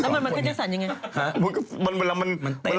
แล้วมันขึ้นจะสั่นอย่างไร